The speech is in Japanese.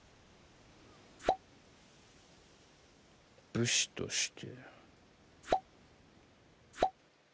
武士として？